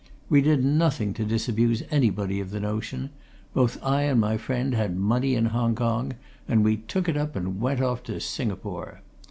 We did nothing to disabuse anybody of the notion; both I and my friend had money in Hong Kong, and we took it up and went off to Singapore.